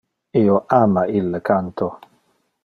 Io ama ille canto.